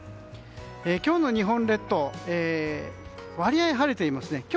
今日の日本列島割と晴れていますね。